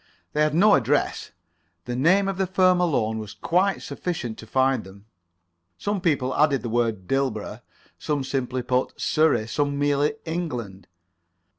They had no address. The name of the firm alone was quite sufficient to find them. Some people added the word Dilborough; some simply put Surrey; some merely England.